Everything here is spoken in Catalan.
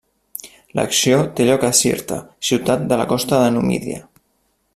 L'acció té lloc a Cirta, ciutat de la costa de Numídia.